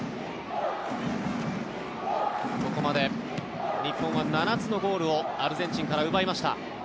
ここまで日本は７つのゴールをアルゼンチンから奪いました。